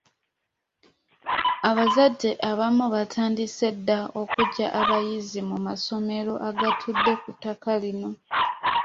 Abazadde abamu baatandise dda okuggya abayizi mu masomero agatudde ku ttaka lino.